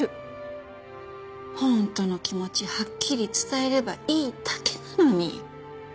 本当の気持ちはっきり伝えればいいだけなのに！